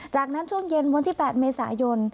จากนั้นช่วงเย็นวันที่๘เมษายน